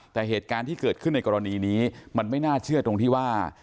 แต่เหตุการณ์ที่เกิดขึ้นในกรณีนี้มันไม่น่าเชื่อตรงที่ว่า